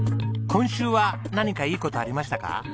今週は何かいい事ありましたか？